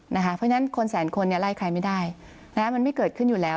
เพราะฉะนั้นคนแสนคนไล่ใครไม่ได้มันไม่เกิดขึ้นอยู่แล้ว